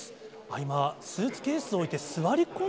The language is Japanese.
今、スーツケースを置いて、座り込ん